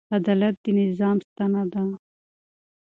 عدالت د نظام ستنه ده.